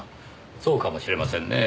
そうかもしれませんねぇ。